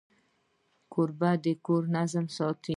کوربه د کور نظم ساتي.